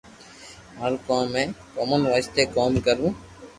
ماروڪوم ھي ڪومن وائس تي ڪوم ڪروُ